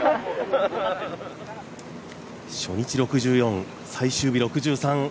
初日６４、最終日６３。